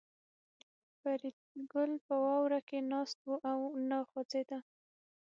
فریدګل په واوره کې ناست و او نه خوځېده